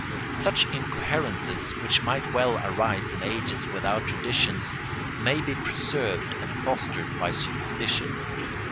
Such incoherences, which might well arise in ages without traditions, may be preserved and fostered by superstition.